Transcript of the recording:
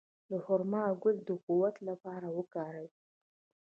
د خرما ګل د قوت لپاره وکاروئ